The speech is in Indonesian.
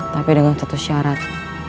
tapi dengan satu syarat